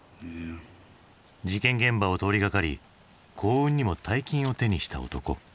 事件現場を通りがかり幸運にも大金を手にした男。